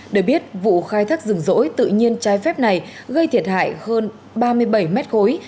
để biết vụ khai thác rừng rỗi tự nhiên trái phép này gây thiệt hại hơn ba mươi bảy mét khối